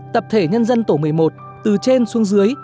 tập thể nhân dân tổ một mươi một từ trên xuống dưới